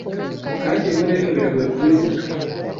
kandi rimwe na rimwe biragoye kubivuga